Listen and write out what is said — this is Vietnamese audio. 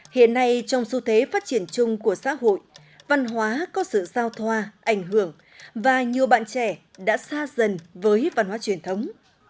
hiện nay trong xu thế phát triển chung của xã hội văn hóa có sự giao thoa ảnh hưởng và nhiều bạn trẻ đã xa dần với văn hóa truyền thống